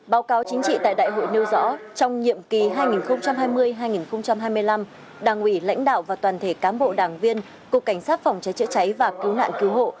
báo cáo chính trị tại đại hội nêu rõ trong nhiệm kỳ hai nghìn hai mươi hai nghìn hai mươi năm đảng ủy lãnh đạo và toàn thể cán bộ đảng viên cục cảnh sát phòng cháy chữa cháy và cứu nạn cứu hộ